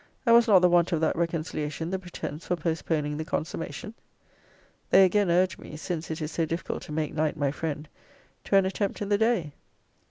And was not the want of that reconciliation the pretence for postponing the consummation? They again urge me, since it is so difficult to make night my friend, to an attempt in the day.